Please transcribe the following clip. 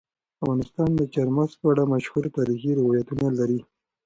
افغانستان د چار مغز په اړه مشهور تاریخی روایتونه لري.